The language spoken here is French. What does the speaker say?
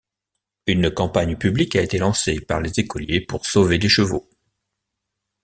Une campagne publique a été lancée par les écoliers pour sauver les chevaux.